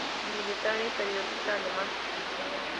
Militar y periodista alemán.